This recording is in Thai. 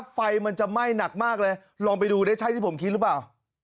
ไฟมันจะไหม้หนักมากเลยลองไปดูได้ใช่ที่ผมคิดหรือเปล่า